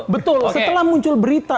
betul setelah muncul berita